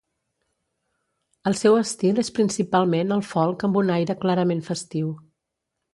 El seu estil és principalment el folk amb un aire clarament festiu.